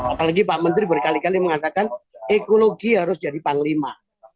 apalagi pak menteri berkali kali mengatakan ekologi harus jadi panglima